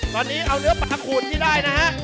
ตอนนี้เอาเนื้อปลาขูดที่ได้นะฮะ